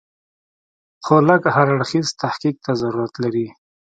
خو لږ هر اړخیز تحقیق ته ضرورت لري.